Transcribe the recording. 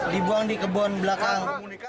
dibuang di kebun belakang